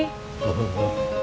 rapi dan bersih